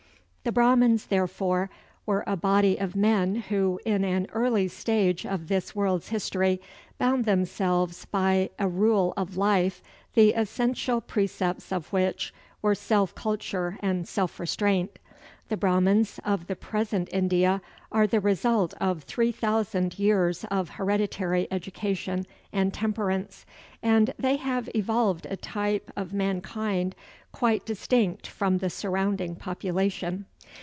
The Brahmans, therefore, were a body of men who, in an early stage of this world's history, bound themselves by a rule of life the essential precepts of which were self culture and self restraint. The Brahmans of the present India are the result of 3000 years of hereditary education and temperance; and they have evolved a type of mankind quite distinct from the surrounding population.